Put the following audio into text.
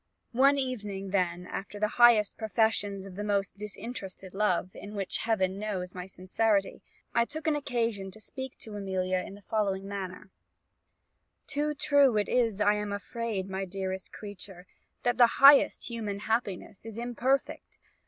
"One evening then, after the highest professions of the most disinterested love, in which Heaven knows my sincerity, I took an occasion to speak to Amelia in the following manner: "Too true it is, I am afraid, my dearest creature, that the highest human happiness is imperfect.